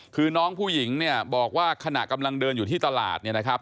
คือน้องผู้หญิงเนี่ยบอกว่าขณะกำลังเดินอยู่ที่ตลาดเนี่ยนะครับ